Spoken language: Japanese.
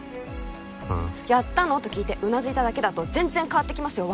うん「やったの？」と聞いてうなずいただけだと全然変わってきますよ